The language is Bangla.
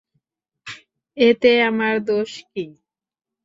এতে আমার দোষ কী?